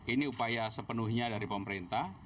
ini upaya sepenuhnya dari pemerintah